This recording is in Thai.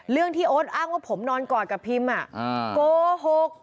เรื่องที่โอ๊ตอ้างว่าผมนอนกอดกับพิมโกหก